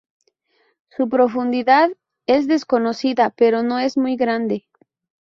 Su profundidad es desconocida, pero no es muy grande.